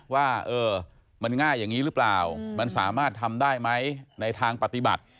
ว่ามันง่ายอย่างนี้หรือเปล่ามันสามารถทำได้ไหมในทางปฏิบัติ